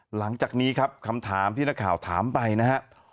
หลังจากนี้ครับคำถามที่นักข่าวถามไปนะครับ